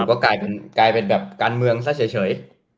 ก็กลายเป็นแบบการเมืองซะเฉย